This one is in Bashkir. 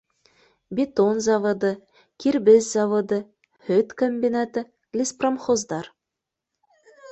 Бетон заводы, кир бес заводы, һөт комбинаты, леспромхоздар